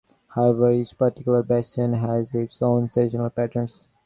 However, each particular basin has its own seasonal patterns.